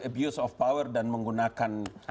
abuse of power dan menggunakan